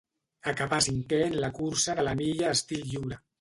Acabà cinquè en la cursa de la milla estil lliure.